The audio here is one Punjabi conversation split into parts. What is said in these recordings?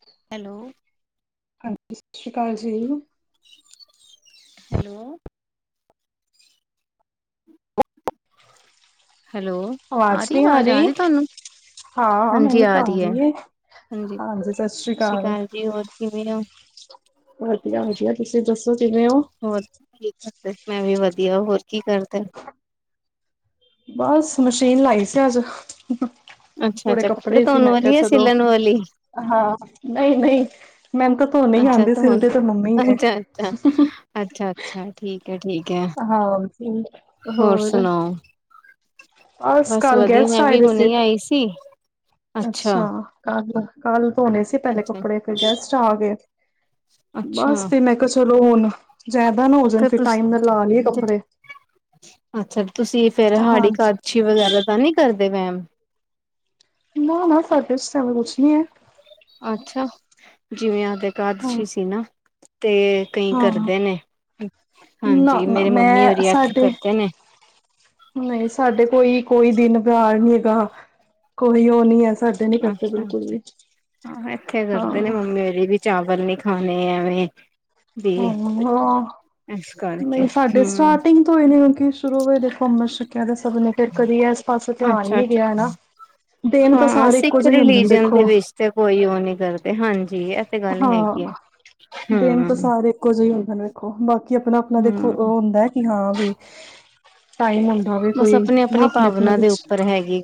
ਹ [inaudible] ਹੈਲੋ ਹਾਂਜੀ, ਸਤਿ ਸ਼੍ਰੀ ਅਕਾਲ ਜੀ। ਹੈਲੋ ਹੈਲੋ, ਆ ਰਹੀ ਆਵਾਜ਼ ਆ ਰਹੀ ਤੁਹਾਨੂੰ। ਹਾਂਜੀ ਆ ਰਹੀ ਹੈ। ਹਾਂਜੀ, ਸਤਿ ਸ੍ਰੀ ਅਕਾਲ ਜੀ। ਹੋਰ ਕਿਵੇਂ ਹੋ? ਵਧੀਆ, ਵਧੀਆ। ਤੁਸੀਂ ਦੱਸੋ ਕਿਵੇਂ ਹੋ? ਹੋਰ ਕੀ ਕਰਦੇ? ਮੈਂ ਵੀ ਵਧੀਆ। ਹੋਰ ਕੀ ਕਰਦੇ? ਬਸ ਮਸ਼ੀਨ ਲਾਈ ਸੀ ਅੱਜ, ਅੱਛਾ ਥੋੜੇ ਅੱਛਾ ਕੱਪੜੇ ਸੀ, ਧੋਣ ਮੈਂ ਕਿਹਾ ਵਾਲੀ ਹੈ ਚਲੋ ਸਿਲਣ ਵਾਲੀ ਹਾਂ ਨਹੀਂ-ਨਹੀਂ ਮੈਮ ਤਾਂ ਧੋਨੇ ਅੱਛਾ ਆਉਂਦੇ ਧੋਣ ਸਿਲਦੇ ਤੇ ਮੰਮੀ ਨੇ ਅੱਛਾ-ਅੱਛਾ ਠੀਕ ਹੈ ਠੀਕ ਹੈ ਹਾਂ ਹੋਰ ਸੁਣਾਓ? ਬਸ ਕੱਲ ਵਧੀਆ, ਗੈਸਟ ਮੈਂ ਆਏ ਵੀ ਦੇ ਸੀ ਹੁਣੇ ਆਈ ਸੀ। ਅੱਛਾ ਕੱਲ-ਕੱਲ ਧੋਣੇ ਸੀ ਪਹਿਲੇ ਅੱਛਾ ਕੱਪੜੇ ਫਿਰ ਗੈਸ ਚ ਆ ਗਏ। ਅੱਛਾ ਬਸ ਫੇਰ, ਮੈਂ ਕਿਹਾ ਚਲੋ ਹੁਣ ਜ਼ਿਆਦਾ ਨਾ ਹੋ ਜਾਣ ਤੇ ਫੇਰ ਟਾਈਮ ਤੁਸੀਂ ਨਾਲ ਲਾ ਲਈਏ ਕੱਪੜੇ ਅੱਛਾ ਤੁਸੀਂ ਫੇਰ ਹਾੜੀ ਹਾਂਜੀ ੲਕਾਦਸ਼ੀ ਵਗੈਰਾ ਤਾਂ ਨਹੀ ਕਰਦੇ ਵੈਮ। ਨਾ-ਨਾ ਸਾਡੇ ਚ ਐਵੇਂ ਕੁਛ ਨੀ ਹੈ। ਅੱਛਾ ਜਿਵੇਂ ਤੇ ਹਾਂ ਕਦਸ਼ੀ ਸੀ ਨਾ ਤੇ ਕਈ ਹਾਂ। ਕਰਦੇ ਨੇ ਨਾ ਹਾਂਜੀ ਨਾ ਮੇਰੀ ਮੰਮੀ ਮੈਂ ਉਰਹੀ ਆਖੇ ਸਾਡੇ ਕਰਦੇ ਨੇ ਨਹੀਂ ਸਾਡੇ ਕੋਈ ਕੋਈ ਦਿਨ ਵਿਹਾਰ ਨਹੀਂ ਹੈਗਾ ਕੋਈ ਉਹ ਨਹੀਂ ਹੈ ਸਾਡੇ ਨੀ ਕਰਦੇ ਅੱਛਾ- ਬਿਲਕੁਲ ਵੀ ਅੱਛਾ, ਏਥੇ ਹੀ ਕਰਦੇ ਨੇ ਹਾਂ। ਮੰਮੀ ੳਰੀ ਵੀ ਚਾਵਲ ਨੀ ਖਾਣੇ ਐਵੇਂ ਧੋ ਲਵਾਂ ਪ੍ਰੈਸ ਕਰਕੇ, ਹੂ ਤੋਂਈ ਨ ਕਿਉਂਕਿ ਸ਼ੁਰੂ ਹੋਏ ਅੰਮ੍ਰਿਤ ਚੱਕਿਆ ਤੇ ਸਭ ਨੇ ਫੇਰ ਕਦੀ ਇਸ ਪਾਸੇ ਧਿਆਨ ਹੀ ਅੱਛਾ ਨੀ ਅੱਛਾ ਗਿਆ ਹਨਾ। ਦਿਨ ਤੇ ਹਾਂ ਸਾਰੇ ਇੱਕੋ ਸਿੱਖ ਜਿਹੇ ਹੁੰਦੇ ਨੇ ਰਿਲੀਜਨ ਦੇ ਦੇਖੋ ਵਿੱਚ ਤੇ ਕੋਈ ਉਹ ਨੀ ਕਰਦੇ, ਹਾਂਜੀ ਇਹ ਤੇ ਗੱਲ ਹੈਗੀ ਏ। ਹਾਂ। ਦਿਨ ਤਾਂ ਸਾਰੇ ਇੱਕੋ ਜਿਹੇ ਹੋਦੇ ਨੇ, ਵੇਖੋ ਬਾਕੀ ਆਪਣਾ- ਆਪਣਾ ਦੇਖੋ ਹਮ ਉਹ ਹੁੰਦਾ ਹੈ ਹਾਂ, ਵੀ ਟਾਈਮ ਹੁੰਦਾ ਹੋਵੇ, ਬਸ ਕੋਈ ਆਪਣੀ ਨਾ ਆਪਣੀ ਆਪਣੇ ਆਪਣਾ ਭਾਵਨਾ ਦੇ ਕੁਛ ਉੱਪਰ ਹੈਗੀ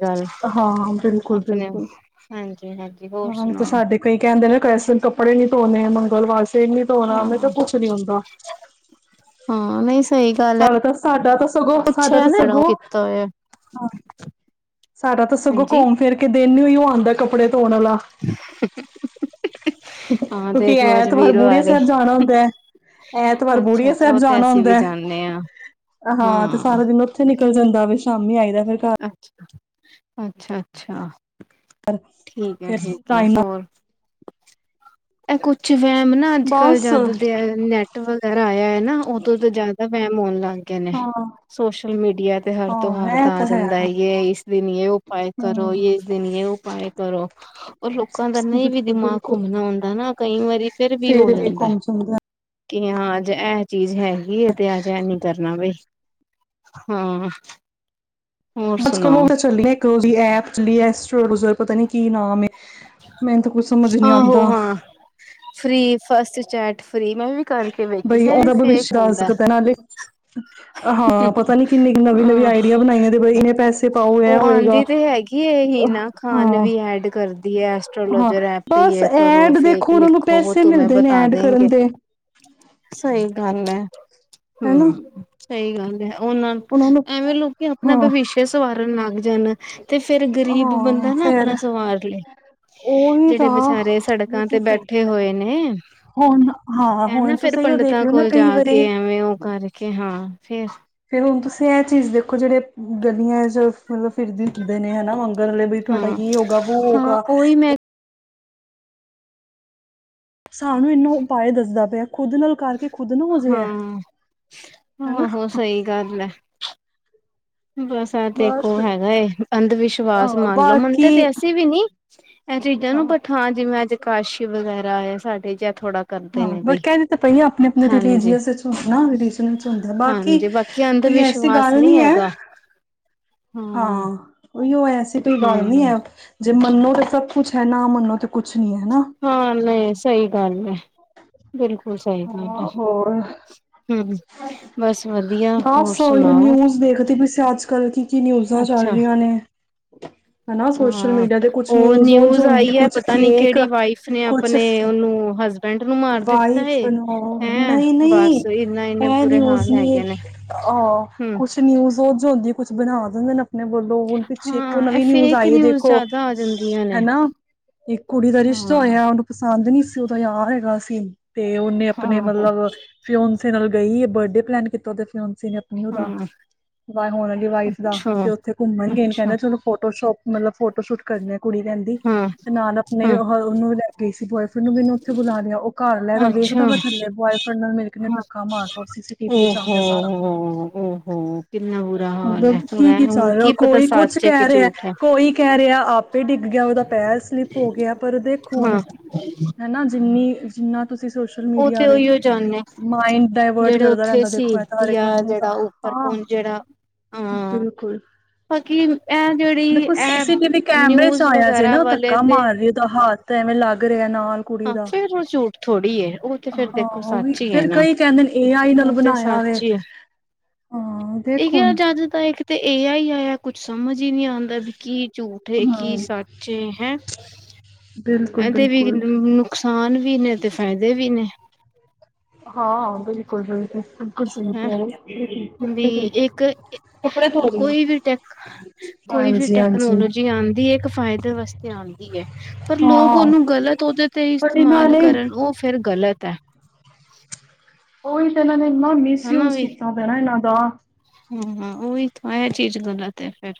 ਹਾਂ ਬਿਲਕੁਲ- ਬਿਲਕੁਲ ਹਾਂਜੀ-ਹਾਂਜੀ। ਹੋਰ ਹਾਂ ਤੇ ਸੁਣਾਓ। ਸਾਡੇ ਕਈ ਕਹਿੰਦੇ, ਨੇ ਕੈ ਕੱਪੜੇ ਨੀ ਧੋਣੇ ਮੰਗਲਵਾਰ ਸ ਨੀ ਧੋਣਾ, ਮੇ ਤਾਂ ਹਾਂ ਕੁੱਛ ਨੀ ਹੁੰਦਾ। ਹਾਂ ਨਹੀ ਸਾਡਾ ਤਾਂ ਸਾਡਾ ਤਾਂ ਸਗੋਂ, ਸਾਡਾ ਤਾਂ ਨਾ ਸਗੋਂ ਕੀਤਾ ਹੋਇਆ ਸਾਡਾ ਤਾਂ ਸਗੋਂ ਹਾਂਜੀ ਘੁੰਮ ਫਿਰ ਕੇ ਦਿਨ ਹੀ ਉਹੀ ਆਉਂਦਾ ਕੱਪੜੇ ਧੋਣ ਵਾਲਾ ਹਾਂ ਕਿਉਂਕਿ, ਦੇਖਲੋ ਅੱਜ ਐਤਵਾਰ ਬੂੜੀਆਂ ਵੀਰਵਾਰ ਏ ਸਾਹਿਬ ਜਾਣਾ ਹੁੰਦਾ ਹੈ। ਐਤਵਾਰ, ਬੂੜੀਆ ਅੱਛਾ-ਅੱਛਾ ਸਾਹਿਬ ਉਹ ਤੇ ਜਾਣਾ ਅਸੀਂ ਵੀ ਹੁੰਦਾ। ਜਾਂਨੇ ਆ ਹਾਂ, ਤੇ ਸਾਰਾ ਦਿਨ ਉੱਥੇ ਨਿਕਲ ਜਾਂਦਾ ਫ ਸ਼ਾਮੀ ਆਈਦਾ ਫਿਰ ਘਰ, ਅੱਛਾ, ਅੱਛਾ -ਅੱਛਾ। ਠੀਕ ਹੈ, ਫਿਰ ਠੀਕ ਹੈ। ਟਾਈਮ ਨਾਲ ਹੋਰ ਇਹ ਕੁਛ ਵਹਿਮ ਨਾ ਅੱਜ ਕੱਲ ਬਸ ਜਦ ਦੇ ਆ ਨੈਟ। ਵਗੈਰਾ, ਆਇਆ ਹੈ ਨਾ ਉਦੋਂ ਤਾਂ ਜ਼ਿਆਦਾ ਵਹਿਮ ਹੋਣ ਲੱਗ ਗ ਗਿਆ। ਨੇ ਹਾਂ ਸੋਸ਼ਲ ਮੀਡੀਆ ਤੇ ਹਰ ਤੋਂ ਹਾਂ ਹਰ ਇਹ ਦਾ ਤਾਂ ਹੈ ਕਹਿੰਦਾ, ਇਸ ਦਿਨ ਯੇ ਉਪਾਏ ਕਰੋ, ਹਮ ਇਸ ਦਿਨ ਯੇ ਉਪਾਏ ਕਰੋ। ਉਹ ਲੋਕਾਂ ਦਾ ਨਹੀਂ ਵੀ ਬਿਲਕੁਲ ਦਿਮਾਗ ਬਿਲਕੁਲ ਘੁੰਮਣਾ ਆਉਂਦਾ ਨਾ ਕਈ ਵਾਰੀ ਫਿਰ ਵੀ ਹੋ ਜਾਂਦਾ। ਕਿ, ਹਾਂ ਅੱਜ ਇਹ ਚੀਜ਼ ਹੈਗੀ ਏ ਤੇ ਅੱਜ ਇਹ ਨੀ ਕਰਨਾ ਬਈ। ਹਮ। ਅੱਜ ਕੱਲ ਉਹ ਤੇ ਚੱਲੀ ਏ ਇਕ ਐਪ ਚਲੀ ਏ ਅਸਟ੍ਲੋਜਰ, ਪਤਾ ਨੀ ਕੀ ਨਾਮ ਏ। ਮੈਨੂੰ ਤਾਂ ਕੁਛ ਸਮਝ ਨੀ ਆਉਂਦਾ। ਫ੍ਰੀ, ਫਸਟ ਚੈਟ ਫੀ੍ ਮੈਂ ਵੀ ਕਰਕੇ ਵੇਖੀ ਬਈ, ਸੀ ਉਹਦਾ ਫੇਕ ਭਵਿੱਸ਼ਯ ਆ ਹੁੰਦਾ। ਸਕਦਾ ਏ ਨਾ ਏਵੇਂ ਹਾਂ, ਪਤਾ ਨੀ ਕਿੰਨੀ ਨਵੀਂ ਨਵੀਂ ਹਾਂ ਆਈਡੀਆ ਬਣਾਈਆਂ ਬਈ ਇੰਨੇ ਪੈਸੇ ਪਾਓ ਇਹ ਹੋਏਗਾ ਕੀ ਇਹ ਹੀਨਾ ਖਾਨ ਹਾਂ ਵੀ ਐਡ ਕਰਦੀ ਏ। ਹਾਂ ਐਸਟ੍ਰੋਲੋਜਰ, ਐਪ ਪੇ ਬਸ ਯ ਕਰੋ ਐਡ ਫੇਕ ਦੇਖੋ ਉਹਨਾਂ ਨੂੰ ਲਿਖੋ ਪੈਸੇ ਤੁੂੰਮੇ ਮਿਲਦੇ ਨੇ ਬਤਾ ਐਡ ਦਿੰਗੇ। ਕਰਨ ਦੇ ਸਹੀ ਗੱਲ, ਹੈ ਹਨਾ ਹਮ ਸਹੀ ਗੱਲ ਹੈ। ਉਹਨਾਂ, ਐਵੇਂ ਲੋਕੀ ਅਪਣਾ ਹਾਂ ਭਵਿਸ਼ਯ ਸਵਾਰਨ ਲੱਗ ਜਾਣ ਤੇ ਫੇਰ ਗ਼ਰੀਬ ਹਾਂ ਬੰਦਾ ਨਾ ਆਪਣਾ ਫੇਰ ਸਵਾਰ ਲੈ। ਉਹੀ ਜਿਹੜੇ ਤਾਂ ਵਚਾਰੇ ਸੜਕਾਂ ਤੇ ਬਿਲਕੁਲ ਸਹੀ ਬੈਠੇ ਹੋਏ ਨੇ ਹੁਣ ਹਾਂ ਏਹ ਨਾ ਹੁਣ ਫਿਰ ਤੁਸੀਂ ਇਹੀਓ ਦੇਖ ਪੰਡਿਤਾਂ ਲਓ ਨਾ ਕੋਲ ਜਾ ਕਈ ਵਾਰੀ ਕੇ, ਐਵੇਂ ਉਹ ਕਰਕੇ ਹਾਂ ਫੇਰ ਫੇਰ ਹੁਣ ਤੁਸੀਂ ਇਹ ਚੀਜ਼ ਦੇਖੋ ਜਿਹੜੇ ਗਲੀਆਂ ਚ ਮਤਲਬ ਫਿਰਦੀ ਹੁੰਦੇ ਨੇ ਹਨਾ। ਗ ਬ ਤੁਹਾਡਾ ਹਾਂ ਕੀ ਹੋਊਗਾ ਬੋ ਹਾਂ ਹੋਗਾ। ਉਹੀ ਮੈਂ ਸਾਨੂੰ ਇਨੂੰ ਉਪਾਅ ਦੱਸਦਾ ਪਿਆ ਖੁੱਦ ਨਾਲ ਕਰਕੇ। ਖੁਦ ਨੂੰ ਹੋ ਜਾਏ ਐ ਹਾਂ ਹੈਨਾ। ਕਰ ਲੈ ਬਸ, ਆ ਤੇਖੋ ਬਸ ਹੈਗਾ ਏ ਅੰਧ ਵਿਸ਼ਵਾਸ ਹਾਂ ਮੰਨ ਲੋੋ ਮੰਨ ਬਾਕੀ ਤੇ ਤੇ ਅਸੀਂ ਵੀ ਨੀ ਇਹ ਚੀਜ਼ਾਂ ਹਾਂ ਨੂੰ ਬਠਾ ਜਿਵੇਂ ਅੱਜ ਕਾਂਸ਼ੀ ਵਗੈਰਾ ਆ ਸਾਡੇ ਜਾਂ ਥੋੜਾ ਕਰਦੇ ਹਾਂ, ਨੇ ਬਈ ਬਟ ਕਹਿੰਦੀ ਤਾਂ ਪਈ ਆ ਆਪਣੇ ਆਪਣੇ ਹਾਂਜੀ ਰਿਲੀਜੀਅਸ ਵਿੱਚ ਹੁੰ ਨਾ ਰਿਲੀਜਨ ਵਿੱਚ ਹੁੰਦਾ ਬਾਕੀ। ਹਾਂਜੀ ਬਾਕੀ ਅੰਧ ਕੋਈ ਐਸੀ ਵਿਸ਼ਵਾਸ ਗੱਲ ਨਹੀਂ ਹੈ। ਹੈਗਾ ਹਾਂ ਉਓ ਐਸੀ ਕੋਈ ਗੱਲ ਨਹੀਂੀ ਹਮ ਹੈ ਜੇ ਮੰਨੋ ਤਾਂ ਸਭ ਕੁਛ ਹੈ ਨਾ ਮੰਨੋ ਤੇ ਕੁਛ ਨਹੀਂ ਹੈ। ਹਾਂ ਨਹੀ, ਸਹੀ ਗੱਲ ਏ। ਬਿਲਕੁਲ ਸਹੀ ਗੱਲ ਹੈ ਹਾਂ ਹੋਰ ਹਮ ਬਸ ਵਧੀਆ ਹੋਰ ਸੋ ਸੁਣਾਓ ਨਿਊਜ ਦੇਖਦੇ ਪ ਅੱਜ ਕੱਲ ਕੀ ਕੀ ਨਿਊਜਾਂ ਚੱਲ ਅੱਛਾ ਰਹੀਆਂ ਨੇ ਹਨਾ ਸੋਸ਼ਲ ਹਾਂ ਮੀਡੀਆ ਤੇ ਕੁਛ ਉਹ ਉਂਝ ਨਿਊਜ਼ ਹੁੰਦੀ ਆਈ ਹੈ ਕੁਛ ਪਤਾ ਨੀ ਫੇਕ ਕਿਹੜੀ ਵਾਈਫ ਨੇ ਕੁਛ ਆਪਣੇ ਉਹਨੂੰ ਹਸਬੈਂ ਟ ਨੂੰ ਮਾਰ ਦਿੱਤਾ ਹੈ। ਹਾਂ ਨਹੀਂ -ਨਹੀਂ ਇਹ ਨੀ ਬੁਰੇ ਹਾਲ ਉਸਨ ਹੈਗੇ ਨੇ ਅਹ ਹਮ ਕੁਛ ਨਿਊਜ਼ ਔ ਜੋ ਹੁੰਦੀ ਏ ਕੁਛ ਬਣਾ ਦਿੰਦੇ ਨੇ। ਨਹੀ ਬੋਲੋ ਹੁਣ ਪਿੱਛੇ ਇੱਕ ਹਾਂ ਇਹ ਨਵੀਂ ਨਿਊਜ਼ ਫੇਕ ਆਈ ਏ, ਦੇਖੋ ਜ਼ਿਆਦਾ ਆ ਜਾਂਦੀਆਂ ਨੇ ਹੈਨਾ। ਇੱਕ ਕੁੜੀ ਦਾ ਰਿਸ਼ਤਾ ਹਾਂ ਹੋਇਆ ਏ, ੳਹਨੂ ਪਸੰਦ ਨਹੀਂ ਸੀ ਦਦਾ ਯਾਰ ਹੈਗਾ ਸੀ ਤੇ ਉਹਨੇ ਆਪਣੇ ਹਾਂ ਮਤਲਬ ਫਿਓਂਸੀ ਨਾਲ ਗਈ ਹੈ ਬਰਡੇ ਪਲੈਨ ਕੀਤਾ ਤੇ ਫਿਓਂਸੀ ਨੇ ਮੀਨੂ ਦਾ ਹਾਂ ਨਾਲੇ ਹੋਣ ਵਾਲੀ ਵਾਈਫ ਦਾ, ਅੱਛਾ ਤੇ ਉੱਥੇ ਘੁੰਮਣ ਗਏ ਨੇ, ਅੱਛਾ ਕਹਿੰਦੇ ਚਲੋ ਫੋਟੋ ਸੂ਼ਟ ਮਤਲਬ ਫੋਟੋ ਸ਼ੂਟ ਕਰਨੀ ਆ ਕੁੜੀ ਕਹਿੰਦੀ ਹਾਂ ਤੇ ਨਾਲ ਆਪਣੇ ਉਹਨੂੰ ਵੀ ਲੈ ਗਈ ਸੀ ਬਾੱਯਫਰੇਂਡ ਨੂੰ ਵੀ ਓਨੇ ਉੱਥੇ ਬੁਲਾ ਲਿਆ। ਉਹ ਘਰ ਹਾਂ ਵੇਖਦਾ ਅੱਛਾ ਪ ਥੱਲੇ ਬੋਆਏਫਰੈਂਡ ਨਾਲ ਮੇਰੇ ਕਿ ਨੇ ਹਾਂ ਧੱਕਾ ਮਾਰਦਾ ਸੀ- ਸੀ ਟੀਵ ਚ ਆ ਓਹੋ ਗਿਆ ਸਾਰਾ ਓਹੋ ਕਿੰਨਾ ਬੁਰਾ ਹਾਲ ਮਤਲਬ ਹੈ ਹੁਣ ਕੀ -ਕੀ ਹੁਣ ਚੱਲ ਰਿਹਾ ਹੋ ਪਤਾ ਕੋਈ ਕੁਛ ਸੱਚ ਹੈ ਕਿ ਕਹਿ ਰਿਹਾ ਝੂਠ ਹੈ ਕੋਈ ਕਹਿ ਰਿਹਾ ਆਪ ਤੇ ਡਿੱਗ ਗਿਆ ਉਹਦਾ ਪੈਰ ਸਲਿੱਪ ਹੋ ਗਿਆ, ਪਰ ਦੇਖੋ ਹੁਣ ਹਾਂ ਹੈਨਾ। ਜਿੰਨੀ ਜਿੰਨਾ ਤੁਸੀਂ ਸੋਸ਼ਲ ਮੀਡੀਆ ਉਥੇ ਵੇ ਉਹੀ ਹੋ ਜਾਂ ਮਾਇੰਡ ਡਾਇਵਰਟ ਜਿਹੜੇ ਕਰਦਾ ਉੱਥੇ ਰਹਿੰਦਾ ਸੀ ਦੇਖੋ ਇਹ ਤਾਂ ਹਰ ਇੱਕ ਜਾਂ ਬੰਦੇ ਦਾ ਜਿਹੜਾ ਉਹ ਹਾਂ ਪਰਪੁਣ ਜਿਹੜਾ ਹਾਂ ਬਿਲਕੁਲ ਬਾਕੀ ਇਹ ਜਿਹੜੀ ਦੇਖੋ ਸੀ- ਇਹ ਸੀ ਟੀਵ ਕੈਮਰੇ ਚ ਨਿਊਜ਼ ਆਇਆ ਜੇ ਵਗੈਰਾ ਨਾ ਵਾਲੇ ਧੱਕਾ ਤੇ ਮਾਰ ਰਹੀ ਦਾ ਹੱਥ ਐਵੇਂ ਲੱਗ ਰਿਹਾ ਨਾਲ ਕੁੜੀ ਹਾਂ ਦਾ ਫੇਰ ਉਹ ਝੂਠ ਥੋੜ੍ਹੀ ਏ। ਉਹ ਤੇ ਫੇਰ ਹਾਂ ਦੇਖੋ ਉਹੀ ਸੱਚ ਹੀ ਹੈ ਫੇਰ ਨਾ ਕਈ ਕਹਿੰਦੇ ਨੇ ਏ ਆਈ ਨਾਲ ਤੇ ਬਣਾਇਆ ਵੇ ਸੱਚ ਹੀ ਆ ਹਾਂ ਦੇਖ ਇਹ ਹੁਣ ਜੱਜ ਤਾਂ ਇੱਕ ਤੇ ਇਹ ਆ ਹੀ ਆਇਆ ਕੁਛ ਸਮਝ ਹੀ ਨਹੀਂ ਆਉਂਦਾ ਵੀ ਕੀ ਝੂਠ ਕੀ ਹਮ ਸੱਚ ਹੈਂ ਬਿਲਕੁਲ ਇਹਦੇ ਵੀ ਬਿਲਕੁਲ ਨੁਕਸਾਨ ਵੀ ਨੇ ਤੇ ਫਾਇਦੇ ਵੀ ਨੇ। ਹਾਂ, ਬਿਲਕੁਲ ਬਿਲਕੁਲ। ਸਹੀ ਹੈਂ ਕਹਿ ਰਹੇ ਹੋ। ਵੀ ਕੱਪੜੇ ਧੋ ਇੱਕ ਕੱਪੜੇ ਧੋ ਰਹੀ ਹਾਂ ਕੋਈ ਵੀ ਟੈਕ ਕੋਈ ਵੀ ਹਾਂਜੀ ਹਾਂਜੀ ਟੈਕਨੋਲੋਜੀ ਆਉਂਦੀ ਐ। ਇੱਕ ਫਾਇਦੇ ਵਾਸਤੇ ਆਉਂਦੀ ਐ। ਪਰ ਲੋਕ ਹਾਂ ਉਹਨੂੰ ਗ਼ਲਤ, ਉਹਦੇ ਤੇ ਬਟ ਇਹਨਾਂ ਇਸਤੇਮਾਲ ਨੇ ਕਰਨ ਉਹ ਫਿਰ ਗ਼ਲਤ ਐ। ਉਹੀ ਤਾਂ ਇਹਨਾਂ ਨੇ ਇੰਨਾ ਮਿਸਯੂਜ ਕੀਤਾ ਪਿਆ ਨਾ ਇਹਨਾਂ ਦਾ। ਹਮ, ਹਾਂ ਉਹੀਥ ਇਹ ਚੀਜ਼ ਗਲਤ ਹੈ ਫੇਰ।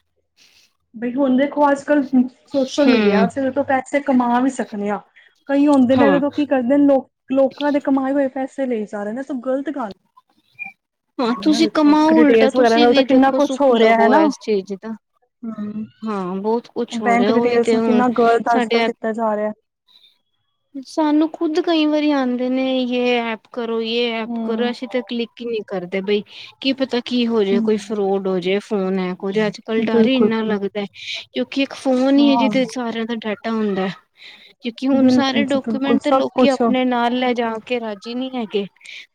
ਬਈ, ਹੁਣ ਦੇਖੋ ਅੱਜ ਕੱਲ ਸੋਸ਼ਲ ਮੀਡੀਆ ਹੂੰ ਅਸੀਂ ਇਦੇ ਤੋਂ ਪੈਸੇ ਕਮਾ ਵੀ ਸਕਣੇ ਆ ਕਈ ਹੁੰਦੇ ਨੇ ਇਦੇ ਹਾਂ। ਤੋਂ ਕੀ ਕਰ ਲੋਕ ਲੋਕਾਂ ਦੇ ਕਮਾਏ ਹੋਏ ਪੈਸੇ ਲਈ ਜਾ ਰਹੇ ਨੇ ਤਾਂ ਗਲਤ ਗੱਲ ਹਾਂ ਹਨਾ ਤੁਸੀਂ ਦੇਖੋ ਕਮਾਓ ਉਲਟਾ ਡਿਟੇਲਸ ਵਗੈਰਾ ਤੁਸੀਂ ਨਾਲ ਤਾਂ ਵੀ ਕਿੰਨਾ ਦੇਖੋ ਕੁਛ ਹੋ ਸੁੱਖ ਰਿਹਾ ਹੈ ਲਵੋ ਨਾ? ਇਸ ਚੀਜ਼ ਦਾ। ਹਮ, ਹਾਂ ਬਹੁਤ ਕੁਛ ਹੋ ਬੈਂਕ ਰਿਹਾ ਉਹੀ ਡਿਟੇਲਸ ਤੇ ਨੂੰ ਹੁਣ ਕਿੰਨਾ ਗਲਤ ਅੱਜ ਕਲ ਕੀਤਾ ਜਾ ਰਿਹਾ। ਸੈਨੂ ਖੁਦ ਕਈ ਵਾਰੀ ਆਂਦੇ ਨੇ ਯੇ ਐਪ। ਕਰੋ ਇਹ ਐਪ ਕਰੋ, ਹਮ। ਅਸੀਂ ਤਾਂ ਕਲਿੱਕ ਹੀ ਨਹੀਂ ਕਰਦੇ ਬਈ। ਕੀ ਪਤਾ ਕੀ ਹੋ ਜੇ ਹਮ ਕੋਈ ਫਰੋਡ ਹੋਜੇ ਫੋਨ ਹੈਕ ਹੋ ਜੇ। ਅੱਜ ਕਲ ਡਰ ਹੀ ਬਿਲਕੁਲ ਇੰਨਾ ਬਿਲਕੁਲ। ਲੱਗਦੈ। ਕਿਉਕਿ ਇੱਕ ਫ਼ੋਨ ਹੀ ਏ ਹਾਂ ਜਿਦੇ ਚ ਸਾਰਿਆਂ ਦਾ ਡਾਟਾ ਹੁੰਦੈ ਕਿਉਕਿ ਹੁਣ ਏ ਬਿਲਕੁਲ ਜੀ ਬਿਲਕੁਲ ਡੋਕੂਮੈਂਟ ਤੇ ਸਭ ਲੋਕੀ ਕੁਛ ਅਪਣੇ ਨਾਲ ਲੈ ਜਾ ਕੇ ਰਾਜੀ ਨਹੀਂ ਹੈਗੇ।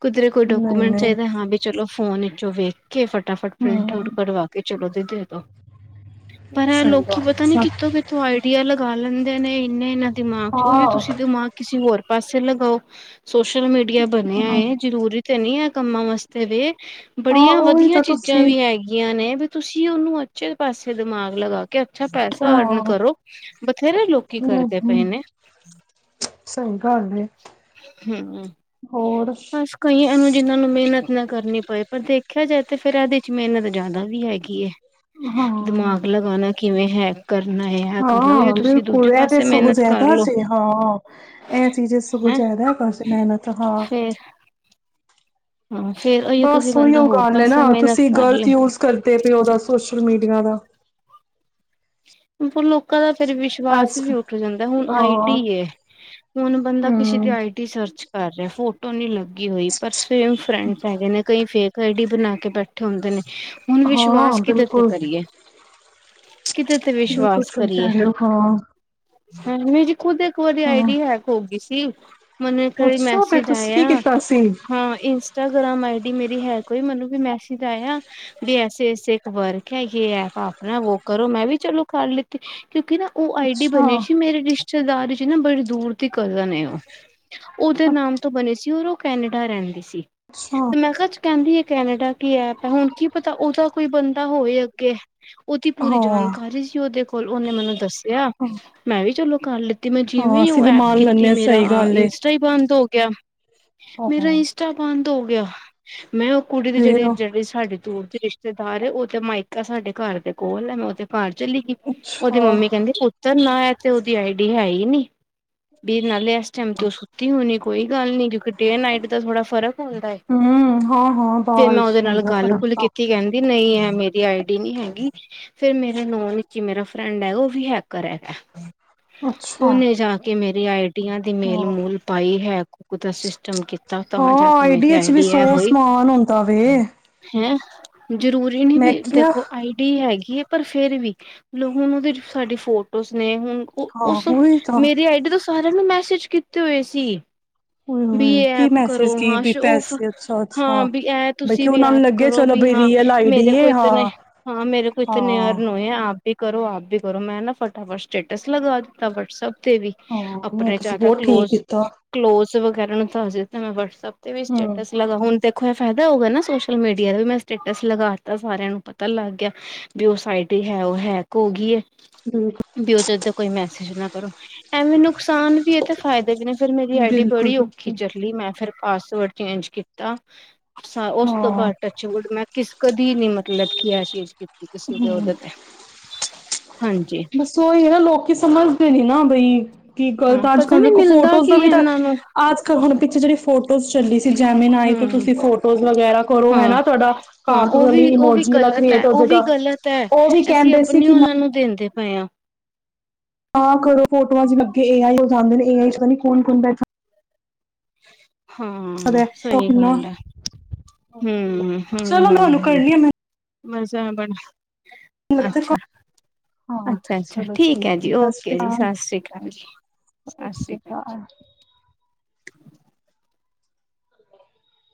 ਕਿਧਰੇ ਕੋਈ ਨਹੀਂ ਡੋਕੂਮੈਂਟ ਨਹੀਂ। ਚਾਹੀਦਾ, ਹਾਂ ਵੀ ਚਲੋ ਫੋਨ ਵਿਚੋਂ ਵੇਖ ਕੇ ਫਟਾ-ਫਟ ਪ੍ਰਿੰਟ ਆਊਟ ਹਮ ਕੜਵਾ ਕੇ ਚਲੋ, ਦੀ ਦੇ ਤੋ ਪਰ ਸਹੀ ਲੋਕੀ ਗੱਲ ਪਤਾ ਨੀ ਹਾਂ। ਕਿੱਥੋਂ ਕਿੱਥੋਂ ਆਈਡੀਆ ਲਗਾ ਲੈਂਦੇ ਨੇ ਇੰਨੇ ਇਹਨਾਂ ਦਿਮਾਗ ਚ ਉਹੀ ਤੁਸੀਂ ਹਾਂ ਦਿਮਾਗ ਕਿਸੇ ਹੋਰ ਪਾਸੇ ਲਗਾਓ ਸੋਸ਼ਲ ਮੀਡੀਆ ਬਣਿਆ ਏ ਜਰੂਰੀ ਨੀ ਆ ਕੰਮਾਂ ਵਾਸਤੇ ਵੇ, ਹਾਂ ਬੜੀਆਂ ਉਹੀ ਵਧੀਆ ਤਾਂ ਚੀਜ਼ਾਂ ਤੁਸੀਂ ਵੀ ਹੈਗੀਆਂ ਨੇ। ਤੁਸੀਂ ਉਹਨੂੰ ਉੱਚੇ ਪਾਸੇ ਦਿਮਾਗ ਲਗਾ ਕੇ ਅੱਛਾ ਪੈਸਾ ਅਰਨ ਹਾਂ ਕਰੋ ਬਥੇਰੇ ਲੋਕੀ ਕਰਦੇ ਪਏ ਨਹੀਂ ਨੇ। ਸਹੀ ਗੱਲ ਏ ਹਮ ਹੋਰ। ਬਸ ਕਈਆਂ ਨੂੰ ਜਿਹਨਾਂ ਨੂੰ ਮਿਹਨਤ ਨਾ ਕਰਨੀ ਪਏ ਪਰ ਦੇਖਿਆ ਜਾਏ ਤੇ ਫਿਰ ਇਹਦੇ ਚ ਮਿਹਨਤ ਜਾਦਾ ਵੀ ਹੈਗੀ ਏ। ਹਾਂ ਦਿਮਾਗ ਲਗਾਣਾ ਕਿਵੇਂ ਹੈ। ਕਰਨਾ ਹੈ ਇਹ ਕਰਨਾ ਉਹੀ ਹਾਂ ਤੁਸੀਂ ਦੂਜੇ ਬਿਲਕੁਲ ਐ ਤੇ ਪਾਸੇ ਸਗੋ ਮਿਹਨਤ ਕਰ ਜ਼ਿਆਦਾ ਲਓ ਸੀ ਹਾਂ। ਇਹ ਚੀਜ਼ਾ ਸਗੋਂ ਜ਼ਿਆਦਾ [unintelligible] ਮਿਹਨਤ ਹਾਂ। ਤੇ ਉਹੀਓ ਬਸ ਤੁਸੀਂ ਉਹੀ ਬੰਦਾ ਉਹ ਹੋਰ ਗੱਲ ਹੈ ਨਾ, ਪਾਸੇ ਮਿਹਨਤ ਤੁਸੀਂ ਕਰ ਗ਼ਲਤ ਲਏ। ਯੂਜ ਕਰਦੇ ਪਏਉ, ਉਹਦਾ ਸੋਸ਼ਲ ਮੀਡੀਆ ਦਾ ਪਰ ਲੋਕਾਂ ਦਾ ਫਿਰ ਵਿਸ਼ਵਾਸ ਅੱਜ ਵੀ ਉੱਠ ਜਾਂਦਾ ਐ, ਹੁਣ ਹਾਂ ਆਈਡੀ ਹੁਣ ਬੰਦਾ ਕਿਸੇ ਦੀ ਹਮ ਆਈ ਡੀ ਸਰਚ ਕਰ ਰਿਹਾ ਫੋਟੋ ਨਹੀਂ ਲੱਗੀ ਹੋਈ। ਪਰ ਸੇਮ ਫਰੈਂਡਸ ਹੈਗੇ ਨੇ। ਕਈ ਫੇਕ ਆਈ ਡੀ ਬਣਾ ਕੇ ਬੈਠੇ। ਕਂਠੇ ਹੁੰਦੇ ਨੇ। ਹੁਣ ਹਾਂ ਵਿਸ਼ਵਾਸ ਕਿਦੇ ਤੇ ਬਿਲਕੁਲ ਕਰੀਏ। ਕਿਦੇ ਤੇ ਬਿਲਕੁਲ ਵਿਸ਼ਵਾਸ ਸਹੀ ਕਰੀਏ, ਕਹਿ ਰਹੇ ਹੋ ਹਾਂ ਮੇਰੀ ਖੁਦ ਇੱਕ ਵਾਰੀ ਹਾਂ ਆਈਡੀਆ ਹੈਗਾ ਹੋਗੀ ਸੀ। ਮੈਨੂੰ ਇੱਕ ਵਾਰੀ ਅੱਛਾ ਫਿਰ ਮੈਸੇਜ ਤੁਸੀਂ ਕੀ ਆਇਆ ਕੀਤਾ ਸੀ ਹਾਂ ਇੰਝ ਇੰਸਟਾਗ੍ਰਾਮ ਆਈ ਡੀ ਮੇਰੀ ਹੈ ਕੋਈ ਮੈਨੂੰ ਵੀ ਮੈਸੀਜ ਆਇਆ ਵੀ ਐਸੇ, ਐਸੇ ਇੱਕ ਵਰਗ ਹੈਗੇ ਐ, ਆਪ ਆਪਣਾ ਵੋ ਕਰੋ ਮੈਂ ਵੀ ਚਲੋ ਕਰ ਲਿੱਤੀ, ਕਿਉਂਕਿ ਨਾ ਉਹ ਆਈ ਡੀ ਅੱਛਾ ਬਣੀ ਸੀ। ਮੇਰੇ ਰਿਸ਼ਤੇਦਾਰੀ ਚ ਨਾ ਬੜੇ ਦੂਰ ਦੀ ਕਜ਼ਨ ਨੇ ਉਹ ਉਹਦੇ ਨਾਮ ਤੋਂ ਬਣੇ ਸੀ, ਔਰ ਉਹ ਕੈਨੇਡਾ ਰਹਿੰਦੀ ਸੀ। ਅੱਛਾ ਤੇ ਮੈਂ ਕਿਹਾ ਚ ਕਹਿੰਦੀ ਐ, ਕੈਨੇਡਾ ਕੀ ਐਪ ਐ। ਹੁਣ ਕੀ ਪਤਾ ਉਹਦਾ ਕੋਈ ਬੰਦਾ ਹੋਏ ਅੱਗੇ? ਉਹਦੀ ਪੂਰੀ ਹਾਂ ਜਾਣਕਾਰੀ ਸੀ ਉਹਦੇ ਕੋਲ ਉਹਨੇ ਮੈਨੂੰ ਦੱਸਿਆ ਮੈਂ ਵੀ ਚਲੋ ਕਰ ਲਿੱਤੀ ਮੈਂ ਹਾਂ ਜਿਵੇਂ ਅਸੀਂ ਉਹ ਵੀ ਐਪ ਮੰਨ ਕੀਤੀ ਲੈਂਦੇ ਹਾਂ ਮੇਰਾ ਸਹੀ ਗੱਲ ਏ ਇਨ ਬੰਦ ਹੋ ਗਿਆ। ਹੋ-ਹੋ ਮੇਰਾ ਇੰਸਟਾ ਬੰਦ ਹੋ ਗਿਆ। ਮੈਂ ਕੁੜੀ ਦੀ ਫੇਰ ਜਿਹੜੀ ਜਿਹੜੀ ਸਾਡੇ ਦੂਰ ਦੇ ਰਿਸ਼ਤੇਦਾਰ ਉਹ ਤੇ ਮਾਇਕਾ ਆ ਸਾਡੇ ਘਰ ਦੇ ਕੋਲ ਆ ਮੈਂ ਉਹਦੇ ਘਰ ਚਲੀ ਗੀ ਉਹਦੀ ਅੱਛਾ ਮੰਮੀ ਕਹਿੰਦੀ ਨਾ ਇਹ ਤੇ ਉਹਦੀ ਆਈਡੀ ਹੈ ਈ ਨ, ਵੀ ਨਾਲੇ ਇਸ ਟਾਈਮ ਤੇ ਉਹ ਸੁੱਤੀ ਹੋਣੀ। ਕੋਈ ਗੱਲ ਨਹੀਂ ਕਿ ਡੇ ਨਾਈਟ ਦਾ ਥੋੜਾ ਫਰਕ ਹੁੰਦਾ ਏ। ਹੂੰ ਹਾਂ-ਹਾਂ ਫਿਰ ਮੈਂ ਬਾਰਿਸ਼ ਉਹਦੇ ਨਾਲ ਹੁੰਦਾ ਫਰਕ ਗੱਲ-ਗੁੱਲ ਤਾਂ ਕੀਤੀ। ਕਹਿੰਦੀ ਨਹੀਂ ਐ ਮੇਰੀ ਆਈ ਡੀ ਨੀ ਹੈਗੀ ਫੇਰ ਮੈਂ ਮੇਰੇ ਨੋਂਨ ਚ ਈ ਮੇਰਾ ਫਰੈਂਡ ਹੈ ਉਹ ਵੀ ਹੈਕਰ ਹੈਗੈ ਅੱਛਾ ਉਨੇ ਜਾ ਕੇ ਕਿ ਮੇਰੀ ਆਈਡੀਆਂ ਦੀ ਮੇਲ ਹਾਂ ਮੂਲ ਪਾਈ ਹੈ ਓਦਾ ਸਿਸਟਮ ਕੀਤਾ ਤਾਂ ਜਾ ਕੇ ਮੇਰੀ ਆਈ ਡੀ ਆ ਓਹੀ ਤਾਂ ਵੇ ਹੈਂ ਜ਼ਰੂਰੀ ਨੀ ਵੀ ਮੈਂ ਕਿਹਾ ਦੇਖੋ ਆਈਡੀ ਹੈਗੀਏ ਪਰ ਫੇਰ ਵੀ ਹੁਣ, ਉਹਦੇ ਸਾਡੀ ਫੋਟੋਜ਼ ਨੇ ਹੁਣ, ਉਹ ਹਾਂ ਉਸ ਉਹੀ ਤਾਂ ਮੇਰੀ ਆਈਡੀ ਤੋਂ ਸਾਰਿਆਂ ਨੂੰ ਮੈਸੇਜ ਕੀਤੇ ਹੋਏ ਸੀ। ਵੀ ਉਏ-ਉਏ ਏ ਕੀ ਐਪ ਮੈਸੇਜ ਕਰੋ। ਕੀ ਹਾਂ ਵੀ ਸ਼ੋ ਔਫ ਪੈਸੇ ਹਾਂ ਅੱਛਾ-ਅੱਛਾ ਬੀ ਐ ਬਈ ਤੁਸੀਂ ਕਿ ਵੀ ਉਹਨਾਂ ਨੂੰ ਐਪ ਲੱਗੇ ਕਰੋ ਚਲੋ ਬੀ ਬਈ ਹਾਂ ਰੀਅਲ ਆਈਡੀ ਮੇਰੇ ਕੋ ਏ ਇਤਨੇ ਹਾਂ ਹਾਂ ਮੇਰੇ ਕੋ ਇਤਨੇ ਹਾਂ ਅਰ ਆਪ ਵੀ ਕਰੋ, ਆਪ ਵੀ ਕਰੋ ਮੈਂ ਨਾ ਫਟਾਫਟ ਸਟੇਟਸ ਲਗਾ ਦਿੱਤਾ। ਵਟਸਐਪ ਤੇ ਵੀ ਹਾਂ ਨਹੀਂ ਆਪਣੇ ਤੁਸੀਂ ਜਾਦਾ ਬਹੁਤ ਠੀਕ ਕਲੋਜ ਕੀਤਾ ਕਲੋਜ਼ ਵਗੈਰਾ ਨੂੰ ਦੱਸ ਦਿੱਤਾ। ਮੈਂ ਵਟਸਐਪ ਤੇ ਵੀ ਹੂੰ ਸਟੇਟਸ ਲਗਾ ਹੁਣ ਤੇ ਫਿਰ ਫੈਦਾ ਹੋਗਾ ਨਾ ਸੋਸ਼ਲ ਮੀਡੀਆ ਦਾ ਵੀ ਮੈਂ ਸਟੇਟਸ ਲਗਾਤਾ ਸਾਰਿਆਂ ਨੂੰ ਪਤਾ ਲੱਗ ਗਿਆ। ਵੀ ਉਹ ਸਾਈਟ ਏ ਉਹ ਹੈਕ ਹੋ ਗਈ ਏ। ਹੂੰ ਵੀ ਉਹਦੇ ਉਤੇ ਕੋਈ ਮੈਸੇਜ ਨਾ ਕਰੋ। ਐਵੇਂ ਨ ਨੁਕਸਾਨ ਵੀ ਏ, ਤੇ ਫਾਇਦੇ ਵੀ ਨੇ ਫਿਰ ਮੇਰੀ ਆਈ ਡੀ ਬੜੀ ਔਖੀ ਬਿਲਕੁਲ-ਬਿਲਕੁਲ ਚੱਲੀ। ਮੈਂ ਫੇਰ ਪਾਸਵਰਡ ਚੇਂਜ ਕੀਤਾ, ਉਸ ਤੋਂ ਹਾਂ ਬਾਅਦ ਟਚਵੁਡ ਮੈਂ, ਕਿਸ ਕਦੀ ਨੀ ਲ ਕੀ ਆ ਚੀਜ਼ ਕੀਤੀ, ਕਿਸੇ ਦੇ ਹੂੰ ਦੇ ਤੇ ਹਾਂਜੀ। ਬਸ ਉਹੀ ਐ ਨਾ, ਲੋਕੀ ਸਮਝਦੇ ਨੇ ਨਾ ਬਈ ਕੀ ਗੱਲਤ ਹਾਂ ਤਾਂ ਅੱਜ ਪਤਾ ਕੱਲ ਨੀ ਦੇਖੋ ਮਿਲਦਾ ਫੋਟੋਜ਼ ਦਾ ਕੀ ਵੀ ਹੈ ਤਾਂ, ਇਹਨਾਂ ਨੂੰ ਅੱਜ ਕੱਲ ਹੁਣ ਪਿਛੇ ਜਿਹੜੀ ਫੋਟੋਜ਼ ਚੱਲੀ ਸੀ ਜੈਮੀਨ ਆਈ ਤੋਂ ਹਮ ਤੁਸੀਂ ਫੋਟੋਜ਼ ਵਗੈਰਾ ਕਰੋ ਹਾਂ ਹੈਨਾ ਤੁਹਾਡਾ ਹਾਂ। ਕਾਰਟ ਉਹ ਵੀ ਵਾਲੀ ਉਹ ਵੀ ਇਮੋਜੀ ਵਾਲਾ ਗਲਤ ਐ, ਕ੍ਰੀਏਟ ਹੋ ਉਹ ਵੀ ਜਾਏਗਾ ਗ਼ਲਤ ਐ, ਉਹ ਵੀ ਅਸੀਂ ਕਹਿੰਦੇ ਸੀ ਆਪਣੀ ਕਿ ਉਹਨਾਂ ਨੂੰ ਦਿੰਦੇ ਪਏ ਆ। ਆ ਕਰੋ ਫੋਟੋਆਂ ਚ ਲੱਗੇ ਇਹ ਏ ਆਈ ਉਹ ਜਾਂਦੇ ਨੇ ਇਹ ਆਈ ਤਾਂ ਨ ਕੌਣ-ਕੌਣ ਬੈਠ ਹਾਂ। ਹੁੰਦਾ ਉਹ ਸਹੀ ਕਿੰਨਾ ਗਲ ਐ। ਹਾਂਜੀ ਹੂੰ ਹੂੰ ਚਲੋ ਮੈਂ ਹੂੰ ਉਹਨੂੰ ਹੁੰ ਕਰਨੀ ਆ ਮਸ ਬਣ। ਮੈਨੂੰ ਲੱਗਦਾ ਅੱਛਾ ਅੱਛਾ ਅੱਛਾ ਠੀਕ ਹੈ ਜੀ। ਓਕੇ ਜੀ ਸਤਸ਼੍ਰੀ ਅਕਾਲ ਜੀ। ਸਤਿ ਸ੍ਰੀ ਅਕਾਲ ਅੱ ਆ [unintelligible] [unintelligible]